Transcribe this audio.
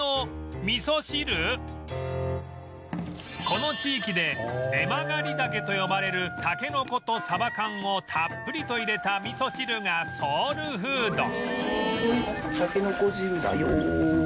この地域で根曲がり竹と呼ばれるたけのことサバ缶をたっぷりと入れた味噌汁がソウルフード